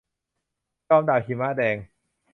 จอมดาบหิมะแดง